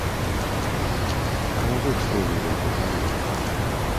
А вы што людзям прапануеце?